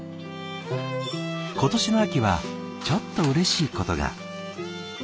今年の秋はちょっとうれしいことが。